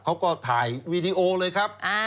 เขาก็ถ่ายวีดีโอเลยครับ